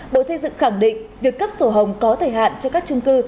bộ xây dựng khẳng định việc cấp sổ hồng có thời hạn cho các trung cư